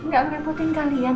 gak merepotin kalian